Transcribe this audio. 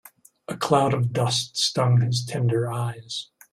A cloud of dust stung his tender eyes.